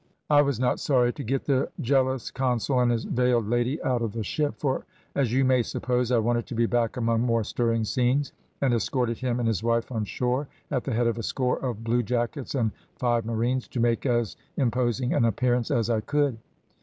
"I was not sorry to get the jealous consul and his veiled lady out of the ship, for, as you may suppose, I wanted to be back among more stirring scenes, and escorted him and his wife on shore at the head of a score of bluejackets and five marines, to make as imposing an appearance as I could.